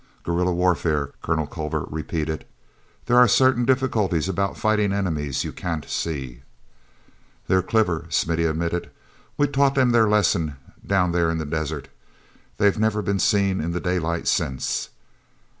uerilla warfare," Colonel Culver repeated. "There are certain difficulties about fighting enemies you can't see." "They're clever," Smithy admitted. "We taught them their lesson down there in the desert—they've never been seen in daylight since.